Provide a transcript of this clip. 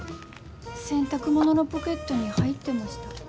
洗濯物のポケットに入ってました。